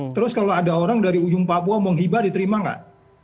terus kalau ada orang dari ujung papua mau hibah diterima nggak